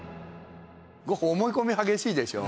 ゴッホ思い込み激しいでしょ。